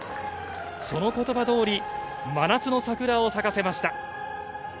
その言葉通り、真夏の桜を咲かせました。